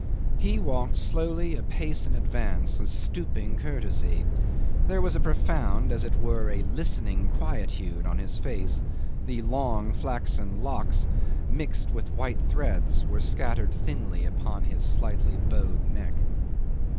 He walked slowly a pace in advance with stooping courtesy; there was a profound, as it were a listening, quietude on his face; the long flaxen locks mixed with white threads were scattered thinly upon his slightly bowed neck.